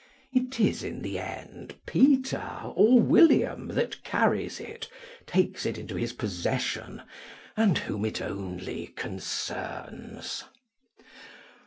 It is, in the end, Peter or William that carries it, takes it into his possession, and whom it only concerns.